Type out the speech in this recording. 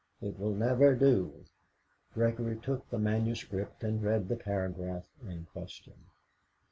It will never do." Gregory took the manuscript and read the paragraph in question.